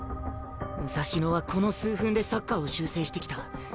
武蔵野はこの数分でサッカーを修正してきた。